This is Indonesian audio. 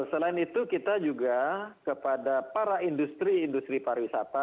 selain itu kita juga kepada para industri industri pariwisata